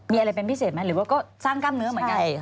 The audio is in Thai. มีอะไรเป็นพิเศษไหมหรือว่าก็สร้างกล้ามเนื้อเหมือนกัน